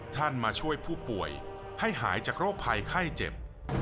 มาช่วยผู้ป่วยให้หายจากโรคภัยไข้เจ็บ